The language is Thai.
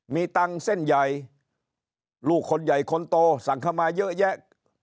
มีตังค์เส้นใหญ่ลูกคนใหญ่คนโตสั่งเข้ามาเยอะแยะ